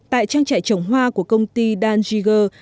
tại trang trại trồng hoa của công ty danjiger